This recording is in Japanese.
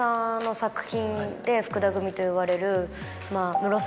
福田組といわれる。